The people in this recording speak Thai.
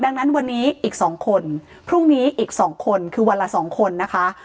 ดังนั้นวันนี้อีก๒คนพรุ่งนี้อีก๒คนคือวันละ๒คนนะคะ